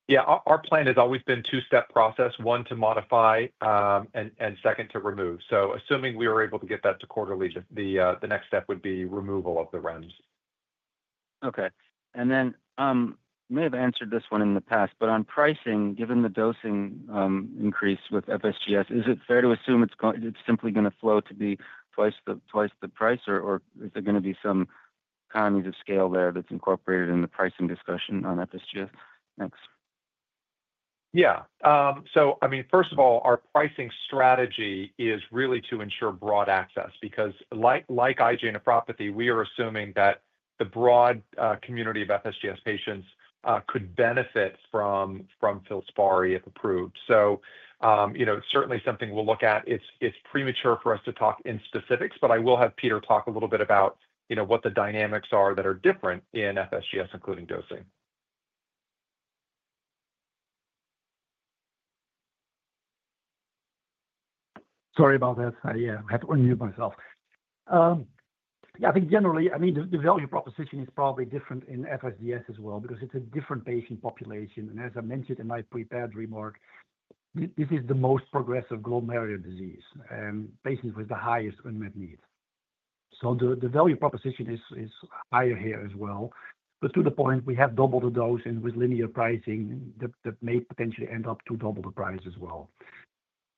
[SPEAKER 3] Yeah, our plan has always been a two-step process, one to modify and second to remove, so assuming we were able to get that to quarterly, the next step would be removal of the REMS.
[SPEAKER 15] Okay. And then you may have answered this one in the past, but on pricing, given the dosing increase with FSGS, is it fair to assume it's simply going to flow to be twice the price, or is there going to be some economies of scale there that's incorporated in the pricing discussion on FSGS? Thanks.
[SPEAKER 3] Yeah. So I mean, first of all, our pricing strategy is really to ensure broad access. Because like IgA nephropathy, we are assuming that the broad community of FSGS patients could benefit from FILSPARI if approved. So it's certainly something we'll look at. It's premature for us to talk in specifics, but I will have Peter talk a little bit about what the dynamics are that are different in FSGS, including dosing.
[SPEAKER 5] Sorry about that. Yeah, I had to unmute myself. Yeah, I think generally, I mean, the value proposition is probably different in FSGS as well because it's a different patient population. And as I mentioned in my prepared remark, this is the most progressive glomerular disease and patients with the highest unmet needs, so the value proposition is higher here as well, but to the point, we have doubled the dose and with linear pricing, that may potentially end up to double the price as well.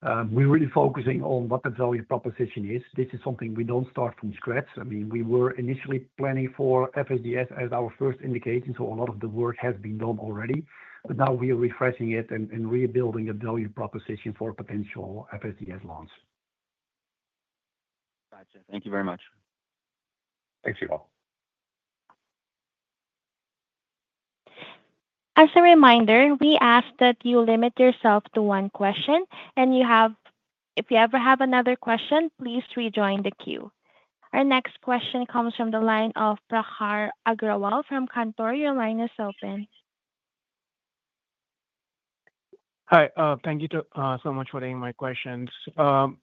[SPEAKER 5] We're really focusing on what the value proposition is. This is something we don't start from scratch. I mean, we were initially planning for FSGS as our first indication, so a lot of the work has been done already. But now we are refreshing it and rebuilding the value proposition for potential FSGS launch.
[SPEAKER 15] Gotcha. Thank you very much.
[SPEAKER 3] Thanks, Yigal.
[SPEAKER 1] As a reminder, we ask that you limit yourself to one question. And if you ever have another question, please rejoin the queue. Our next question comes from the line of Prakhar Agrawal from Cantor. Your line is open.
[SPEAKER 16] Hi. Thank you so much for taking my questions. There are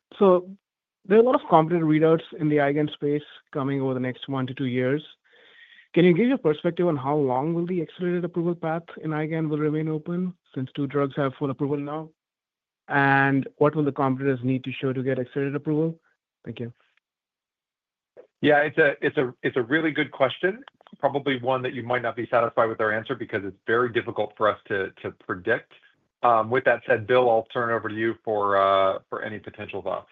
[SPEAKER 16] a lot of competitor readouts in the IgAN space coming over the next one to two years. Can you give your perspective on how long will the accelerated approval path in IgAN remain open since two drugs have full approval now? And what will the competitors need to show to get accelerated approval? Thank you.
[SPEAKER 3] Yeah, it's a really good question, probably one that you might not be satisfied with our answer because it's very difficult for us to predict. With that said, Bill, I'll turn it over to you for any potential thoughts.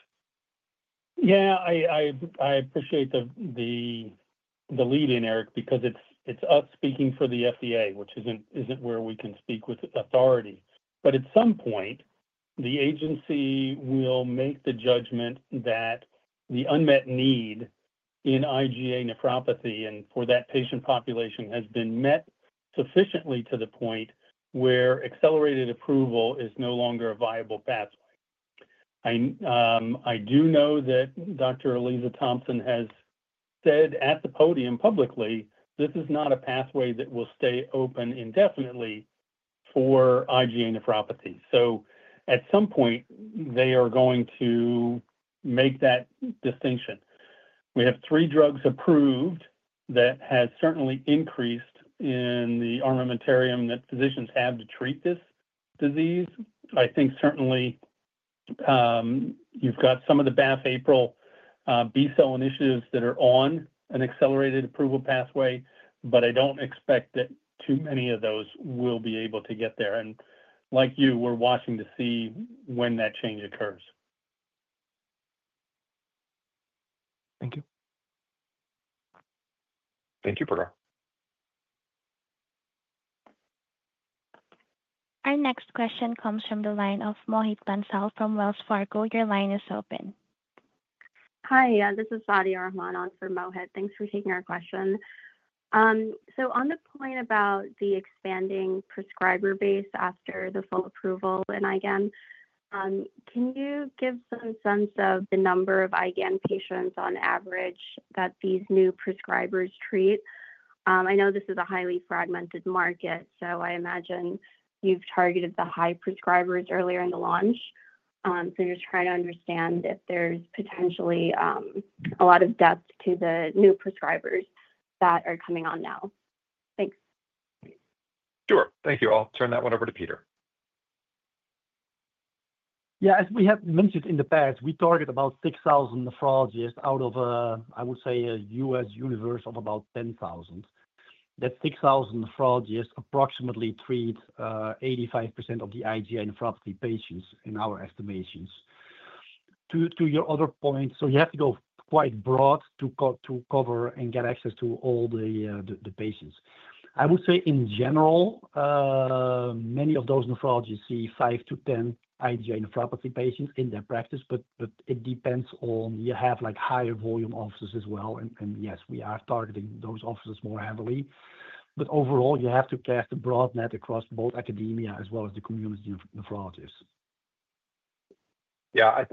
[SPEAKER 12] Yeah, I appreciate the lead-in, Eric, because it's us speaking for the FDA, which isn't where we can speak with authority. But at some point, the agency will make the judgment that the unmet need in IgA nephropathy and for that patient population has been met sufficiently to the point where accelerated approval is no longer a viable pathway. I do know that Dr. Aliza Thompson has said at the podium publicly this is not a pathway that will stay open indefinitely for IgA nephropathy. So at some point, they are going to make that distinction. We have three drugs approved that have certainly increased in the armamentarium that physicians have to treat this disease. I think certainly you've got some of the BAFF/APRIL B-cell initiatives that are on an accelerated approval pathway, but I don't expect that too many of those will be able to get there. Like you, we're watching to see when that change occurs.
[SPEAKER 16] Thank you.
[SPEAKER 3] Thank you, Prakhar.
[SPEAKER 1] Our next question comes from the line of Mohit Bansal from Wells Fargo. Your line is open. Hi, yeah, this is [Fadi Rahman] on for Mohit. Thanks for taking our question. So on the point about the expanding prescriber base after the full approval in IgAN, can you give some sense of the number of IgAN patients on average that these new prescribers treat? I know this is a highly fragmented market, so I imagine you've targeted the high prescribers earlier in the launch. So I'm just trying to understand if there's potentially a lot of depth to the new prescribers that are coming on now. Thanks.
[SPEAKER 3] Sure. Thank you. I'll turn that one over to Peter.
[SPEAKER 5] Yeah, as we have mentioned in the past, we target about 6,000 nephrologists out of, I would say, a U.S. universe of about 10,000. That 6,000 nephrologists approximately treat 85% of the IgA nephropathy patients, in our estimations. To your other point, so you have to go quite broad to cover and get access to all the patients. I would say in general, many of those nephrologists see five to 10 IgA nephropathy patients in their practice, but it depends on you have higher volume offices as well. And yes, we are targeting those offices more heavily. But overall, you have to cast a broad net across both academia as well as the community of nephrologists.
[SPEAKER 3] Yeah,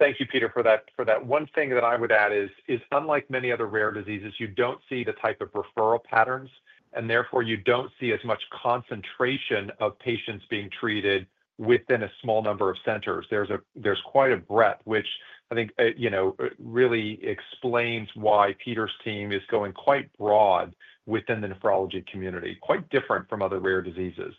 [SPEAKER 3] thank you, Peter, for that. One thing that I would add is, unlike many other rare diseases, you don't see the type of referral patterns, and therefore you don't see as much concentration of patients being treated within a small number of centers. There's quite a breadth, which I think really explains why Peter's team is going quite broad within the nephrology community, quite different from other rare diseases,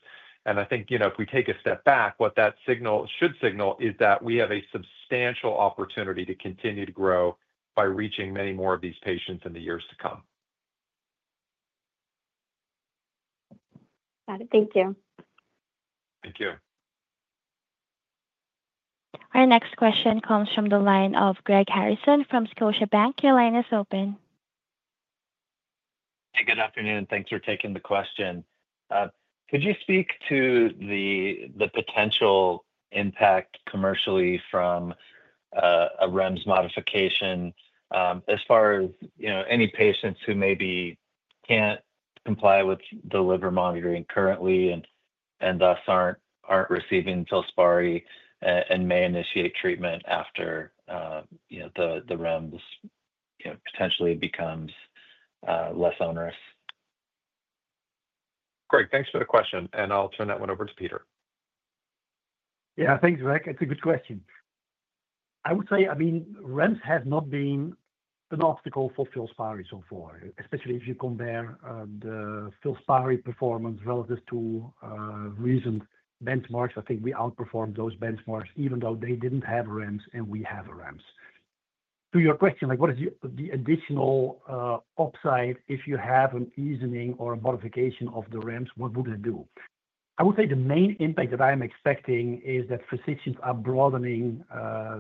[SPEAKER 3] and I think if we take a step back, what that signal should signal is that we have a substantial opportunity to continue to grow by reaching many more of these patients in the years to come. Got it. Thank you. Thank you.
[SPEAKER 1] Our next question comes from the line of Greg Harrison from Scotiabank. Your line is open.
[SPEAKER 17] Hey, good afternoon. Thanks for taking the question. Could you speak to the potential impact commercially from a REMS modification as far as any patients who maybe can't comply with the liver monitoring currently and thus aren't receiving FILSPARI and may initiate treatment after the REMS potentially becomes less onerous?
[SPEAKER 3] Greg, thanks for the question, and I'll turn that one over to Peter.
[SPEAKER 5] Yeah, thanks, Eric. It's a good question. I would say, I mean, REMS has not been an obstacle for FILSPARI so far, especially if you compare the FILSPARI performance relative to recent benchmarks. I think we outperformed those benchmarks, even though they didn't have REMS and we have REMS. To your question, what is the additional upside if you have an easing or a modification of the REMS, what would it do? I would say the main impact that I'm expecting is that physicians are broadening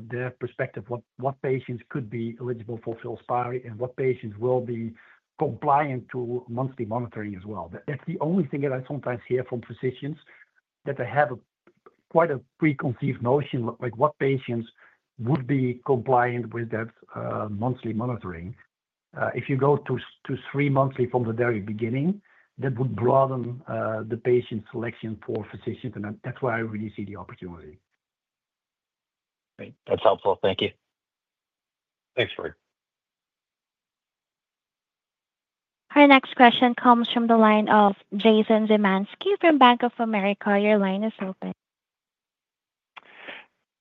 [SPEAKER 5] their perspective, what patients could be eligible for FILSPARI and what patients will be compliant to monthly monitoring as well. That's the only thing that I sometimes hear from physicians, that they have quite a preconceived notion what patients would be compliant with that monthly monitoring. If you go to three monthly from the very beginning, that would broaden the patient selection for physicians. That's where I really see the opportunity.
[SPEAKER 17] Great. That's helpful. Thank you.
[SPEAKER 3] Thanks, Greg.
[SPEAKER 1] Our next question comes from the line of Jason Zemansky from Bank of America. Your line is open.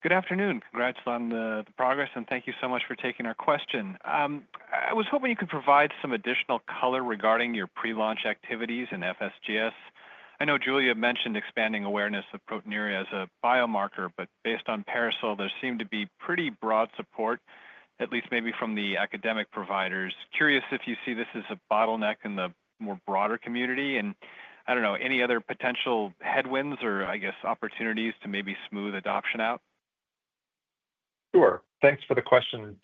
[SPEAKER 18] Good afternoon. Congrats on the progress, and thank you so much for taking our question. I was hoping you could provide some additional color regarding your pre-launch activities in FSGS. I know Jula mentioned expanding awareness of proteinuria as a biomarker, but based on PARASOL, there seemed to be pretty broad support, at least maybe from the academic providers. Curious if you see this as a bottleneck in the more broader community. And I don't know, any other potential headwinds or, I guess, opportunities to maybe smooth adoption out?
[SPEAKER 3] Sure. Thanks for the question,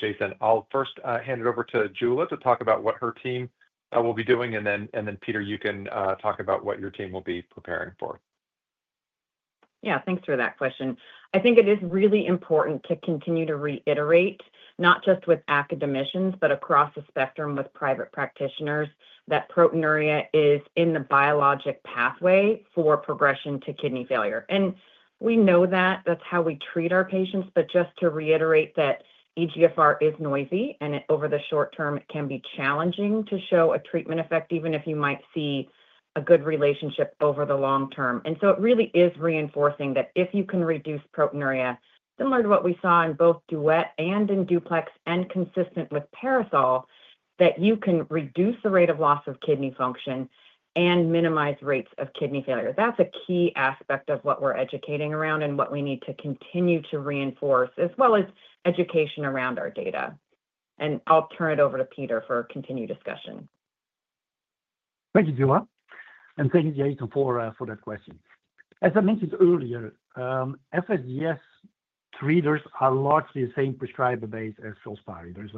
[SPEAKER 3] Jason. I'll first hand it over to Jula to talk about what her team will be doing, and then Peter, you can talk about what your team will be preparing for.
[SPEAKER 4] Yeah, thanks for that question. I think it is really important to continue to reiterate, not just with academicians, but across the spectrum with private practitioners, that proteinuria is in the biologic pathway for progression to kidney failure, and we know that. That's how we treat our patients, but just to reiterate that eGFR is noisy, and over the short term, it can be challenging to show a treatment effect, even if you might see a good relationship over the long term. And so it really is reinforcing that if you can reduce proteinuria, similar to what we saw in both DUET and in DUPLEX and consistent with PARASOL, that you can reduce the rate of loss of kidney function and minimize rates of kidney failure. That's a key aspect of what we're educating around and what we need to continue to reinforce, as well as education around our data. I'll turn it over to Peter for continued discussion.
[SPEAKER 5] Thank you, Jula. And thank you, Jason, for that question. As I mentioned earlier, FSGS prescribers are largely the same prescriber base as FILSPARI. There's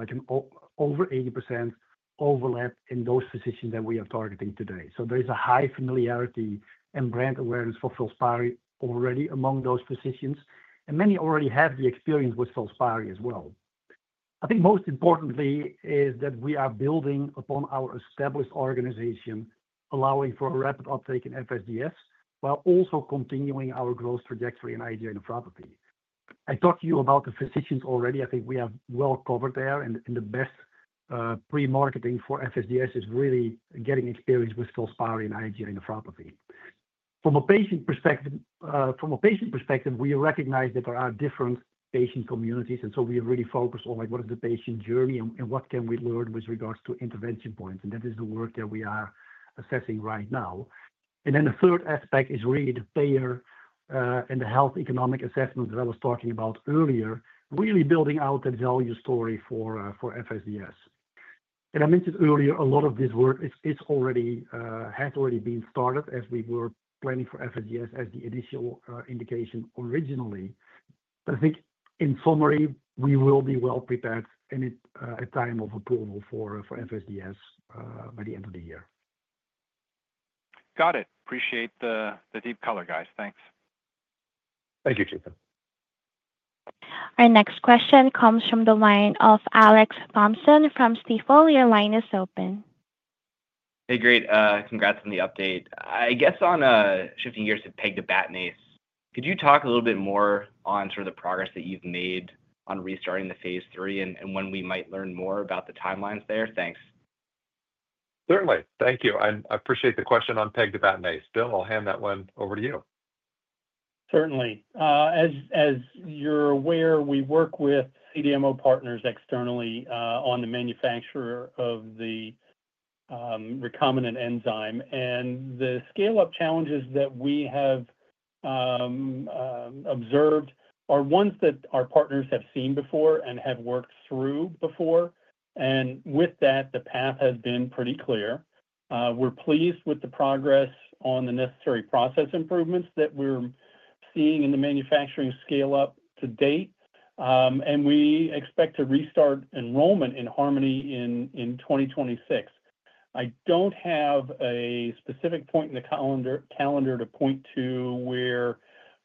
[SPEAKER 5] over 80% overlap in those physicians that we are targeting today. So there is a high familiarity and brand awareness for FILSPARI already among those physicians. And many already have the experience with FILSPARI as well. I think most importantly is that we are building upon our established organization, allowing for a rapid uptake in FSGS while also continuing our growth trajectory in IgA nephropathy. I talked to you about the physicians already. I think we have well covered there. And the best pre-marketing for FSGS is really getting experience with FILSPARI in IgA nephropathy. From a patient perspective, we recognize that there are different patient communities. And so we are really focused on what is the patient journey and what can we learn with regards to intervention points. And that is the work that we are assessing right now. And then the third aspect is really the payer and the health economic assessment that I was talking about earlier, really building out the value story for FSGS. And I mentioned earlier, a lot of this work has already been started as we were planning for FSGS as the initial indication originally. But I think in summary, we will be well prepared at time of approval for FSGS by the end of the year.
[SPEAKER 18] Got it. Appreciate the deep color, guys. Thanks.
[SPEAKER 3] Thank you, Jason.
[SPEAKER 1] Our next question comes from the line of Alex Thompson from Stifel. Your line is open.
[SPEAKER 19] Hey, great. Congrats on the update. I guess on shifting gears to pegtibatinase, could you talk a little bit more on sort of the progress that you've made on restarting the phase III and when we might learn more about the timelines there? Thanks.
[SPEAKER 3] Certainly. Thank you. I appreciate the question on pegtibatinase. Bill, I'll hand that one over to you.
[SPEAKER 12] Certainly. As you're aware, we work with CDMO partners externally on the manufacture of the recombinant enzyme. And the scale-up challenges that we have observed are ones that our partners have seen before and have worked through before. And with that, the path has been pretty clear. We're pleased with the progress on the necessary process improvements that we're seeing in the manufacturing scale-up to date. And we expect to restart enrollment in HARMONY in 2026. I don't have a specific point in the calendar to point to where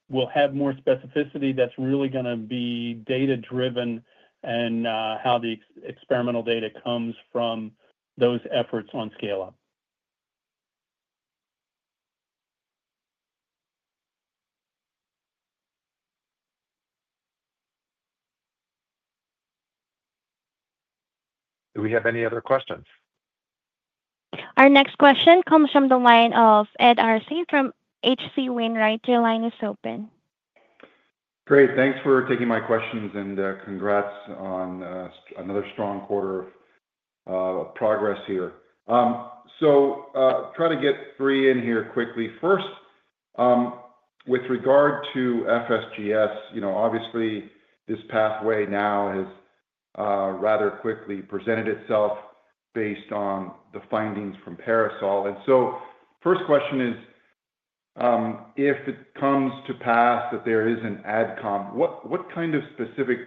[SPEAKER 12] we'll have more specificity. That's really going to be data-driven and how the experimental data comes from those efforts on scale-up.
[SPEAKER 3] Do we have any other questions?
[SPEAKER 1] Our next question comes from the line of Ed Arce from H.C. Wainwright. Your line is open.
[SPEAKER 20] Great. Thanks for taking my questions and congrats on another strong quarter of progress here. So trying to get three in here quickly. First, with regard to FSGS, obviously, this pathway now has rather quickly presented itself based on the findings from PARASOL. And so first question is, if it comes to pass that there is an adcom, what kind of specific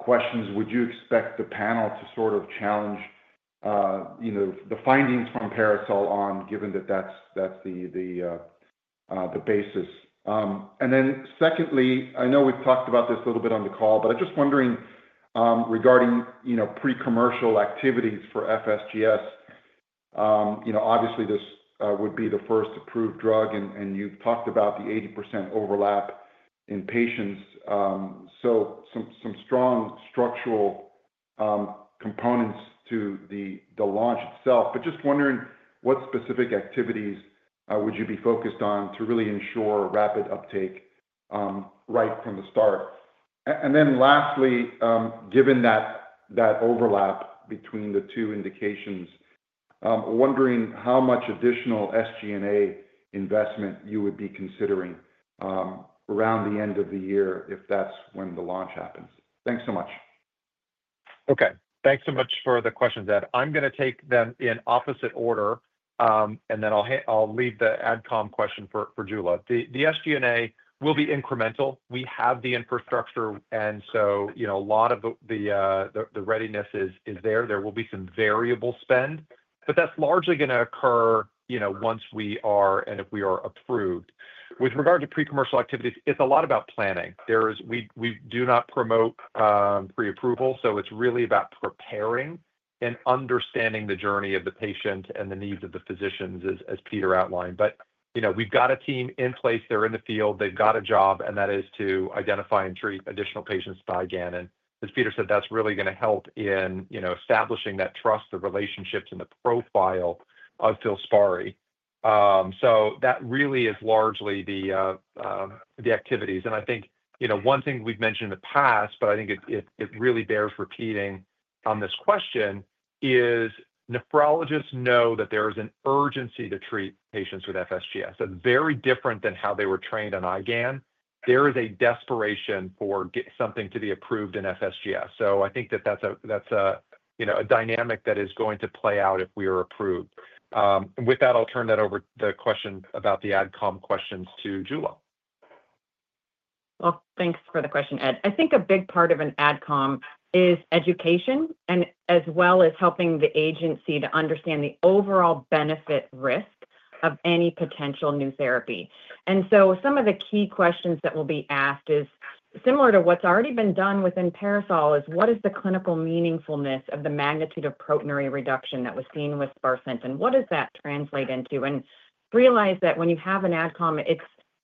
[SPEAKER 20] questions would you expect the panel to sort of challenge the findings from PARASOL on, given that that's the basis? And then secondly, I know we've talked about this a little bit on the call, but I'm just wondering regarding pre-commercial activities for FSGS. Obviously, this would be the first approved drug, and you've talked about the 80% overlap in patients. So some strong structural components to the launch itself. But just wondering, what specific activities would you be focused on to really ensure rapid uptake right from the start? And then lastly, given that overlap between the two indications, wondering how much additional SG&A investment you would be considering around the end of the year if that's when the launch happens. Thanks so much.
[SPEAKER 3] Okay. Thanks so much for the questions, Ed. I'm going to take them in opposite order, and then I'll leave the adcom question for Jula. The SG&A will be incremental. We have the infrastructure, and so a lot of the readiness is there. There will be some variable spend, but that's largely going to occur once we are and if we are approved. With regard to pre-commercial activities, it's a lot about planning. We do not promote pre-approval, so it's really about preparing and understanding the journey of the patient and the needs of the physicians, as Peter outlined. But we've got a team in place. They're in the field. They've got a job, and that is to identify and treat additional patients [by gannon]. As Peter said, that's really going to help in establishing that trust, the relationships, and the profile of FILSPARI. So that really is largely the activities. And I think one thing we've mentioned in the past, but I think it really bears repeating on this question, is nephrologists know that there is an urgency to treat patients with FSGS. It's very different than how they were trained on IgAN. There is a desperation for something to be approved in FSGS. So I think that that's a dynamic that is going to play out if we are approved. And with that, I'll turn that over the question about the adcom questions to Jula.
[SPEAKER 4] Thanks for the question, Ed. I think a big part of an adcom is education as well as helping the agency to understand the overall benefit-risk of any potential new therapy. Some of the key questions that will be asked is similar to what's already been done within PARASOL, is what is the clinical meaningfulness of the magnitude of proteinuria reduction that was seen with sparsentan? What does that translate into? Realize that when you have an adcom,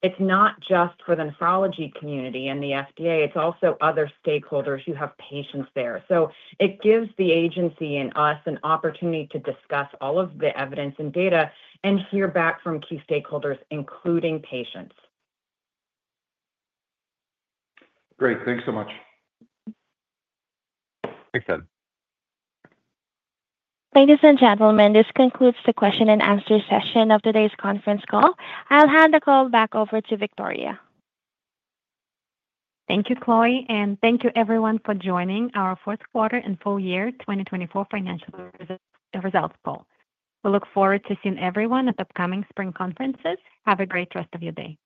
[SPEAKER 4] it's not just for the nephrology community and the FDA. It's also other stakeholders who have patients there. It gives the agency and us an opportunity to discuss all of the evidence and data and hear back from key stakeholders, including patients.
[SPEAKER 20] Great. Thanks so much.
[SPEAKER 3] Thanks, Ed.
[SPEAKER 1] Ladies and gentlemen, this concludes the question-and-answer session of today's conference call. I'll hand the call back over to Victoria.
[SPEAKER 2] Thank you, Chloe. And thank you, everyone, for joining our fourth quarter and full year 2024 financial results call. We look forward to seeing everyone at upcoming spring conferences. Have a great rest of your day.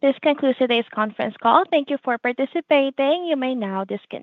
[SPEAKER 1] This concludes today's conference call. Thank you for participating. You may now disconnect.